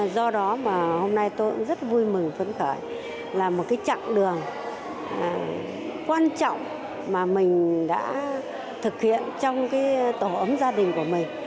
do đó mà hôm nay tôi cũng rất vui mừng phấn khởi là một cái chặng đường quan trọng mà mình đã thực hiện trong cái tổ ấm gia đình của mình